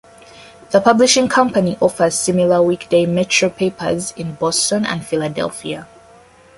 The publishing company offers similar weekday "Metro" papers in Boston and Philadelphia.